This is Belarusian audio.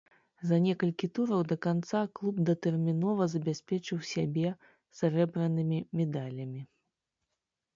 За некалькі тураў да канца клуб датэрмінова забяспечыў сябе срэбранымі медалямі.